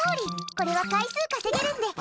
これは回数稼げるので。